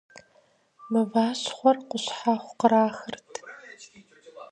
Мыващхъуэр къущхьэхъу кърахырт.